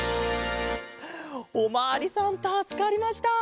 おまわりさんたすかりました。